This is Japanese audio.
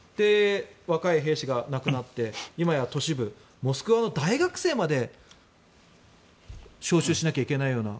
若い兵士が亡くなって今や、都市部モスクワの大学生まで招集しなきゃいけないような。